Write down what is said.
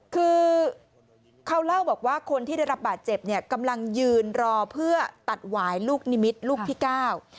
คือเขาเล่าบอกว่าคนที่ได้รับบาดเจ็บเนี่ยกำลังยืนรอเพื่อตัดหวายลูกนิมิตรลูกที่เก้า